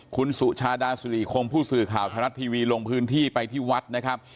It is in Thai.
คุณสุชาดาสุริคงผู้สื่อข่าวไทยรัฐทีวีลงพื้นที่ไปที่วัดนะครับ